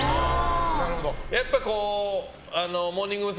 やっぱりモーニング娘。